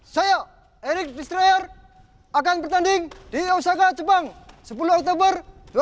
saya erik destroyer akan bertanding di osaka jepang sepuluh oktober dua ribu tujuh belas